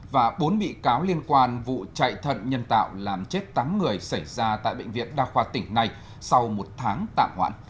và bốn bị cáo liên quan vụ chạy thận nhân tạo làm chết tám người xảy ra tại bệnh viện đa khoa tỉnh này sau một tháng tạm hoãn